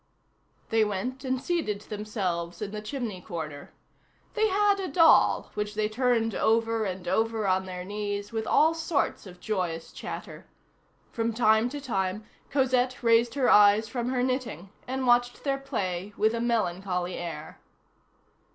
They went and seated themselves in the chimney corner. They had a doll, which they turned over and over on their knees with all sorts of joyous chatter. From time to time Cosette raised her eyes from her knitting, and watched their play with a melancholy air.